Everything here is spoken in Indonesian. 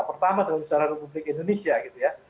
pertama dalam sejarah republik indonesia gitu ya